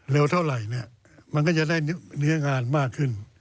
เท่าไหร่เนี่ยมันก็จะได้เนื้องานมากขึ้น